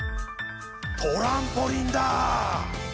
トランポリンだ！